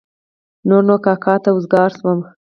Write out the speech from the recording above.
نور نو کاکا ته وزګار شوم.